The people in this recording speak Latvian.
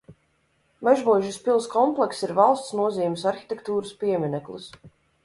Mežmuižas pils komplekss ir valsts nozīmes arhitektūras piemineklis.